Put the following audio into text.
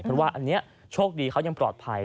เพราะว่าอันนี้โชคดีเขายังปลอดภัย